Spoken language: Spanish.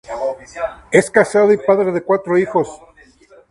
Es casado y padre de cuatro hijos.